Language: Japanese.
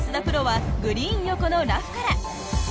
プロはグリーン横のラフから。